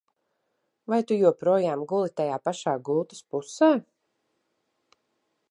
Vai tu joprojām guli tajā pašā gultas pusē?